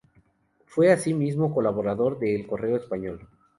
Fue asimismo colaborador de "El Correo Español".